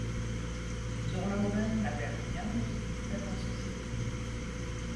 Zurlauben n'avait rien de ce qui plait en société.